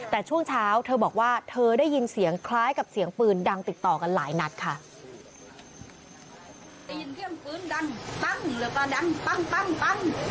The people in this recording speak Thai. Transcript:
แต่ช่วงเช้าเธอบอกว่าเธอได้ยินเสียงคล้ายกับเสียงปืนดังติดต่อกันหลายนัดค่ะ